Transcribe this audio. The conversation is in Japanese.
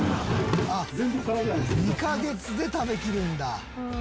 ２カ月で食べきるんだ。